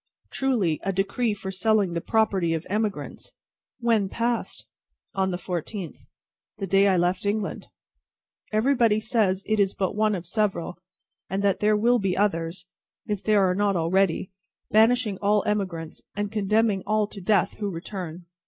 "Truly, a decree for selling the property of emigrants." "When passed?" "On the fourteenth." "The day I left England!" "Everybody says it is but one of several, and that there will be others if there are not already banishing all emigrants, and condemning all to death who return.